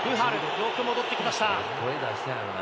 よく戻ってきました。